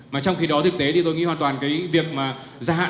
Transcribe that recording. mà trong khi đó thực tế thì tôi nghĩ hoàn toàn cái việc mà gia hạn